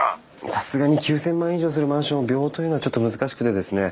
さすがに９，０００万以上するマンションを秒というのはちょっと難しくてですね